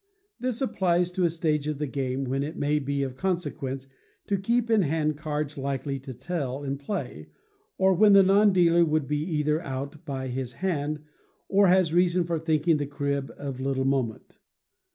This applies to a stage of the game when it may be of consequence to keep in hand cards likely to tell in play, or when the non dealer would be either out by his hand, or has reason for thinking the crib of little moment.